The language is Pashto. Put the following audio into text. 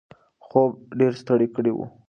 خوب دی ډېر ستړی کړی و.